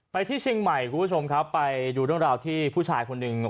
ที่เชียงใหม่คุณผู้ชมครับไปดูเรื่องราวที่ผู้ชายคนหนึ่ง